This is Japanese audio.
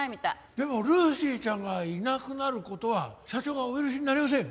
でもルーシーちゃんがいなくなる事は社長がお許しになりませんよ。